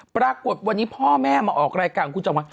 ปรากฏวันนี้พ่อแม่มาออกรายการของคุณจำวัน